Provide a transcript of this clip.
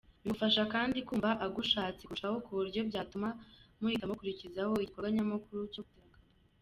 Bimufasha kandi kumva agushatse kurushaho kuburyo byatuma muhita mukurikizaho igikorwa nyamukuru cyo gutera akabariro.